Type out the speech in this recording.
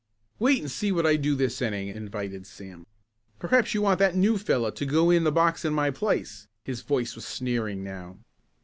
"Wait and see what I do this inning," invited Sam. "Perhaps you want that new fellow to go in the box in my place." His voice was sneering now.